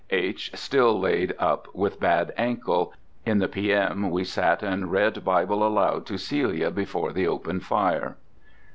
H—— still laid up with bad ankle. In the P.M. we sat and read Bible aloud to Celia before the open fire."